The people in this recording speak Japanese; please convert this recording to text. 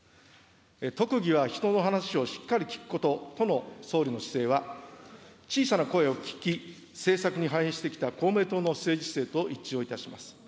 特技は人の話をしっかりと聞くこととの総理の姿勢は、小さな声を聴き、政策に反映してきた公明党の政治姿勢と一致をいたします。